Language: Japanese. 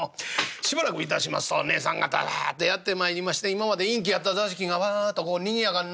しばらく致しますと姐さん方わっとやって参りまして今まで陰気やった座敷がわっと賑やかになりかけた。